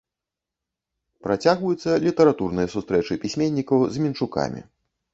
Працягваюцца літаратурныя сустрэчы пісьменнікаў з мінчукамі.